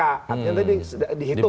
artinya tadi dihitung